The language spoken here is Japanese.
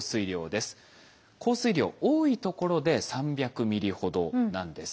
降水量多いところで３００ｍｍほどなんです。